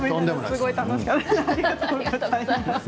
すごく楽しかったです。